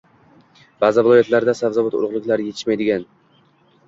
Ba’zi viloyatlarda sabzavot urug‘liklari yetishmayding